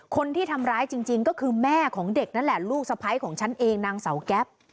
คนที่ทำร้ายจริงก็คือแม่ของเด็กนั่นแหละลูกสะพ้ายของฉันเองนางเสาแก๊ป